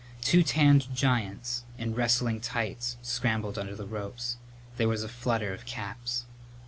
Two tanned giants in wrestling tights scrambled under the ropes. There was a flutter of caps.